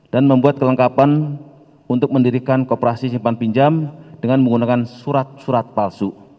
dan membuat kelengkapan untuk mendirikan kooperasi simpan pinjam dengan menggunakan surat surat palsu